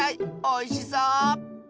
おいしそう！